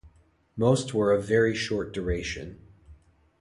Most were of very short duration.